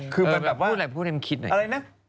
คือแบบว่าอะไรนะ